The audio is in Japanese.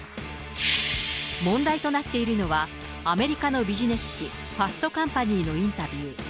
問題となっているのは、アメリカのビジネス誌、ファストカンパニーのインタビュー。